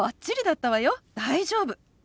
大丈夫。